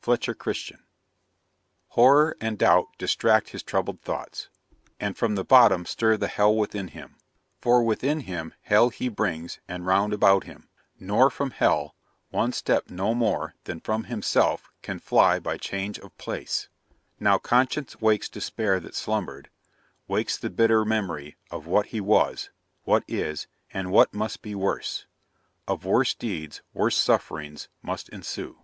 FLETCHER CHRISTIAN. Horror and doubt distract His troubled thoughts, and from the bottom stir The hell within him; for within him hell He brings, and round about him, nor from hell One step no more than from himself can fly By change of place; now conscience wakes despair That slumber'd, wakes the bitter memory Of what he was, what is, and what must be Worse; of worse deeds worse sufferings must ensue.